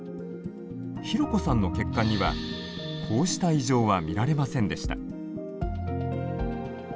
ひろこさんの血管にはこうした異常は見られませんでした。